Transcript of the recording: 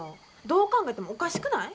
どう考えてもおかしくない？